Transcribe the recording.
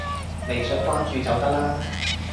微信關注就得啦